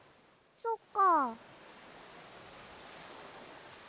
そっか。